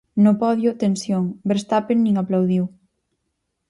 No podio: tensión, Veerstapen nin aplaudiu.